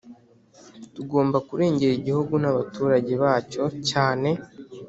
tugomba kurengera igihugu n'abaturage bacyo, cyane